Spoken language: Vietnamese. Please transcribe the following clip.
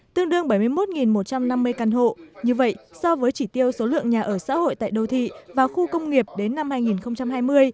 tương đương bảy mươi một một trăm năm mươi căn hộ như vậy so với chỉ tiêu số lượng nhà ở xã hội tại đô thị và khu công nghiệp đến năm hai nghìn hai mươi